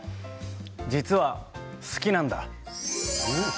実は、好きなんだ。